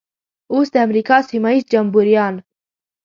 اوس د امریکا سیمه ییز جمبوریان.